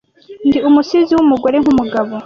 Ndi umusizi wumugore nkumugabo,